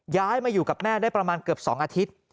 ย้ายมาอยู่กับแม่ได้ประมาณเกือบ๒อาทิตย์